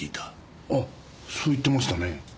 あっそう言ってましたね。